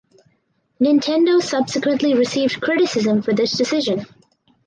Nintendo subsequently received criticism for this decision.